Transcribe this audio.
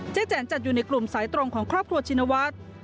แจ๋นจัดอยู่ในกลุ่มสายตรงของครอบครัวชินวัฒน์